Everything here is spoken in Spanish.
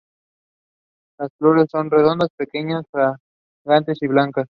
Las flores son redondas, pequeñas, fragantes y blancas.